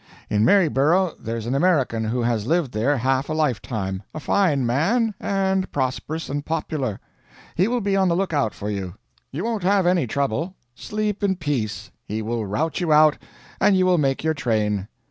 In Maryborough there's an American who has lived there half a lifetime; a fine man, and prosperous and popular. He will be on the lookout for you; you won't have any trouble. Sleep in peace; he will rout you out, and you will make your train.